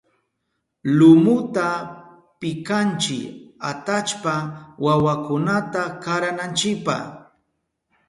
Lumuta pikanchi atallpa wawakunata karananchipa.